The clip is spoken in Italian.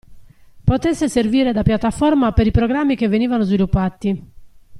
Potesse servire da piattaforma per i programmi che venivano sviluppati.